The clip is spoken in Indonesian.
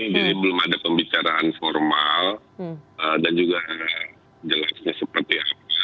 jadi belum ada pembicaraan formal dan juga jelasnya seperti apa